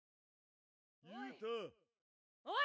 おい！